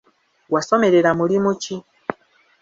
Wasomerera mulimu ki?